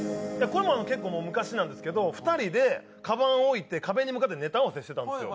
これも結構昔なんですけど２人でかばんを置いて壁に向かってネタ合わせしてたんですよ。